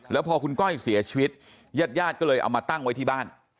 แล้วพอคุณก้อยเสียชีวิตญาติญาติก็เลยเอามาตั้งไว้ที่บ้าน